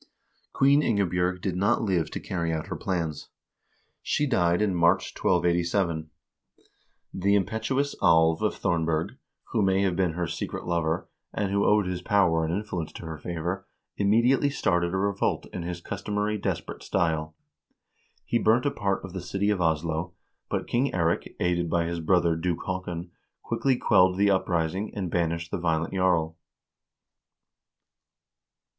Queen Ingebj0rg did not live to carry out her plans. She died in March, 1287. The impetuous Alv of Thornberg, who may have been her secret THE REIGN OF EIRIK MAGNUSSON 479 lover, and who owed his power and influence to her favor, immediately started a revolt in his customary desperate style. He burned a part of the city of Oslo; but King Eirik, aided by his brother Duke Haakon, quickly quelled the uprising, and banished the violent jarl.